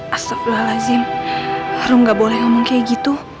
astagfirullahaladzim rum gak boleh ngomong kayak gitu